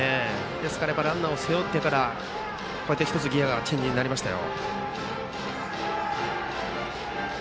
ですからランナーを背負ってからギヤチェンジしましたよ。